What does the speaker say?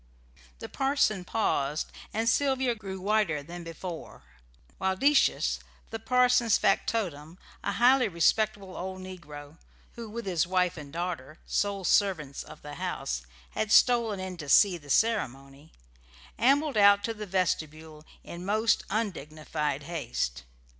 The parson paused, and Sylvia grew whiter than before; while Decius, the parson's factotum, a highly respectable old negro (who, with his wife and daughter, sole servants of the house, had stolen in to see the ceremony), ambled out to the vestibule in most undignified haste.